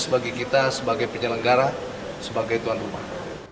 bagi kita sebagai penyelenggara sebagai tuan rumah